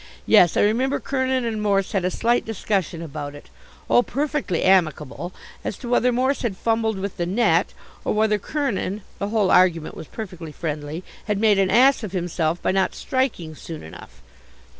Yes, I remember Kernin and Morse had a slight discussion about it oh, perfectly amicable as to whether Morse had fumbled with the net or whether Kernin the whole argument was perfectly friendly had made an ass of himself by not "striking" soon enough.